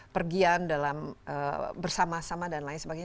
pergian bersama sama dan lain sebagainya